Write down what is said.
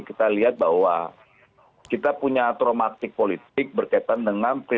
kita lihat bahwa kita punya traumatik politik berkaitan dengan p tiga